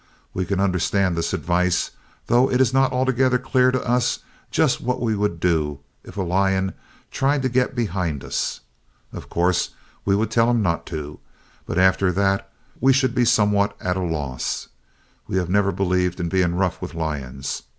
We can understand this advice, though it is not altogether clear to us just what we would do if a lion tried to get behind us. Of course, we would tell him not to, but after that we should be somewhat at a loss. We have never believed in being rough with lions.